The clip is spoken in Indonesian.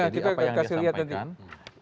kita kasih lihat nanti